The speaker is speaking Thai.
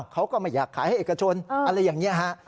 เขาก็ไม่อยากขายให้เอกชนอะไรอย่างนี้ฮะ